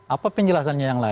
apa penjelasannya yang lain